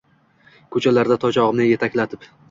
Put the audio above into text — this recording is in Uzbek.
Ko’chalarda toychog’imni yetaklatib